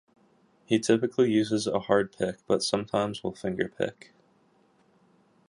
He typically uses a hard pick but sometimes will fingerpick.